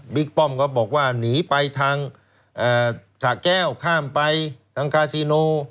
ป้อมก็บอกว่าหนีไปทางสะแก้วข้ามไปทางคาซิโน